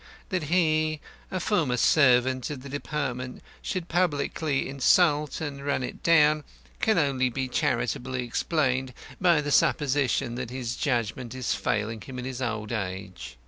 That he, a former servant of the Department, should publicly insult and run it down can only be charitably explained by the supposition that his judgment is failing him in his old age.